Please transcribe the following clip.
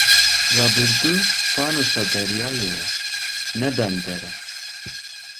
Rabirdû fanosa deryayê ye, ne bender e.